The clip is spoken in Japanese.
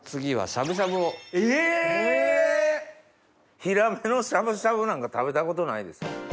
ヒラメのしゃぶしゃぶなんか食べたことないです。